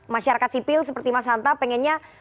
masyarakat sipil seperti mas hanta pengennya